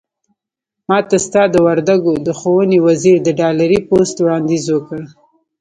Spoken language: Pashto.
ماته ستا د وردګو د ښوونې وزير د ډالري پست وړانديز وکړ.